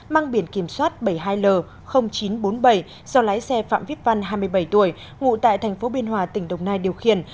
mang biển kiểm soát bảy mươi hai l chín trăm bốn mươi bảy do lái xe phạm viết văn hai mươi bảy tuổi ngụ tại tp biên hòa tỉnh đồng nai điều khiển